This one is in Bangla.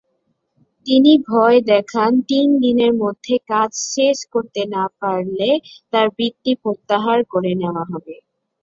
তিনি ভয় দেখান তিন দিনের মধ্যে কাজ শেষ করতে না পারলে তার বৃত্তি প্রত্যাহার করে নেওয়া হবে।